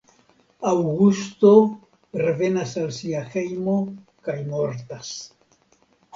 Aŭgusto revenas al sia hejmo kaj mortas.